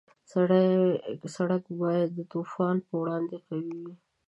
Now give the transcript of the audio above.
سړک باید د طوفانونو په وړاندې قوي وي.